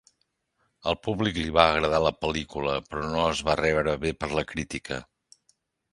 Al públic li va agradar la pel·lícula, però no es va rebre bé per la crítica.